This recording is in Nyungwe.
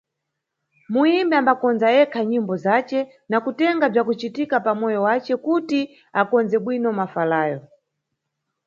Muyimbi ambakondza yekha nyimbo zace na kutenga bzwakucitika pamoyo wace kuti akondze bwino mafalayo.